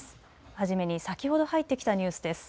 初めに先ほど入ってきたニュースです。